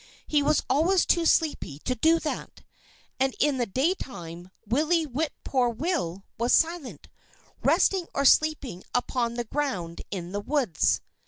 He was always too sleepy to do that. And in the daytime Willie Whip poor will was silent, resting or sleeping upon the ground in the woods.